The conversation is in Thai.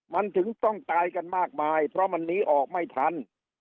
มันถึงต้องตายกันมากมายเพราะมันหนีออกไม่ทัน